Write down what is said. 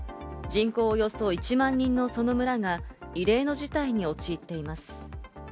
人口およそ１万人のその村が、異例の事態に陥っています。